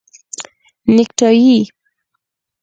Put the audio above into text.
👔 نیکټایې